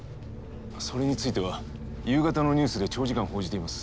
それについては夕方のニュースで長時間報じています。